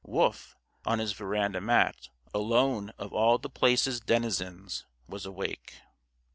Wolf, on his veranda mat, alone of all The Place's denizens, was awake.